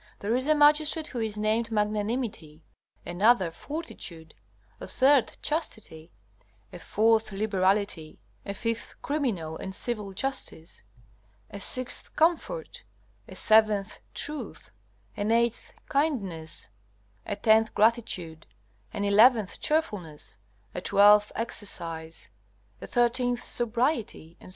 There is a magistrate who is named Magnanimity, another Fortitude, a third Chastity, a fourth Liberality, a fifth Criminal and Civil Justice, a sixth Comfort, a seventh Truth, an eighth Kindness, a tenth Gratitude, an eleventh Cheerfulness, a twelfth Exercise, a thirteenth Sobriety, etc.